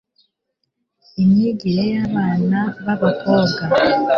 Imyigire y abana ba bakobwa